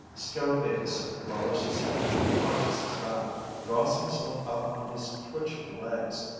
Scarabaeus lowers his head, arches his back, draws himself up on his twitching legs.